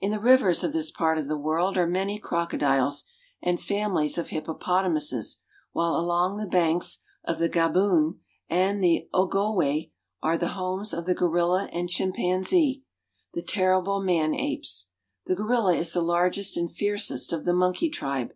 In the rivers of this part of the world are many crocodiles and families of hip popotamuses, while along the banks of the Gabun fga bo6n')andthe Ogo (6 g6 wa')are the mesof the gorilln id chimpanzee, Iht terrible man apes. The goriUa is the '^'""'^■ largest and fiercest of the monkey tribe.